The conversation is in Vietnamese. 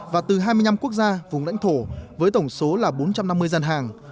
và từ hai mươi năm quốc gia vùng lãnh thổ với tổng số là bốn trăm năm mươi gian hàng